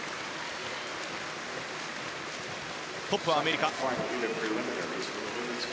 トップはアメリカ。